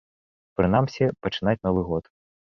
Прынамсі, пачынаць новы год.